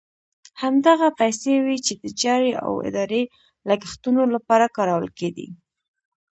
همدغه پیسې وې چې د جاري او اداري لګښتونو لپاره کارول کېدې.